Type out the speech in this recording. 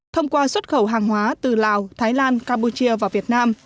thông qua xuất khẩu hàng hóa từ lào thái lan campuchia và việt nam